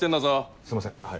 すいませんはい。